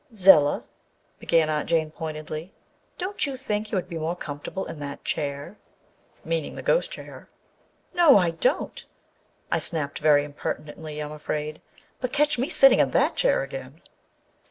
" Zella," began Aunt Jane pointedly, " don't you think you would be more comfortable in that chair?" (meaning the ghost chair.) "No, I don't!" I snapped, very impertinently, I'm afraid â but catch me sitting in that chair again!